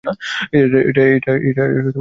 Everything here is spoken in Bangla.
এটার অনেক চাহিদা।